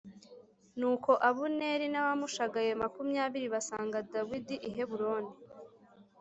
Nuko Abuneri n’abamushagaye makumyabiri basanga Dawidi i Heburoni.